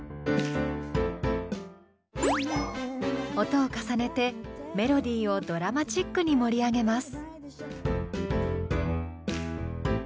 音を重ねてメロディーをドラマチックに盛り上げます。